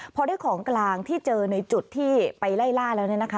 พอได้ของกลางที่เจอในจุดที่ไปไล่ล่าแล้วเนี่ยนะคะ